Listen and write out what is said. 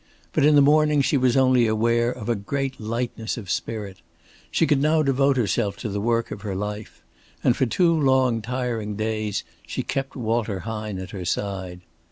But in the morning she was only aware of a great lightness of spirit. She could now devote herself to the work of her life; and for two long tiring days she kept Walter Hine at her side.